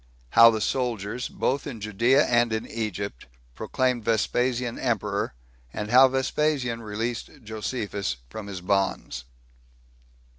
How The Soldiers, Both In Judea And Egypt, Proclaimed Vespasian Emperor; And How Vespasian Released Josephus From His Bonds.